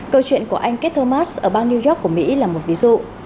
câu chuyện của anh kate thomas ở bang new york của mỹ là một ví dụ